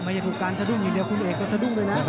ไม่อย่างคู่การสะดุ้งอยู่เดียวคุณเอกก็สะดุ้งเลยนะ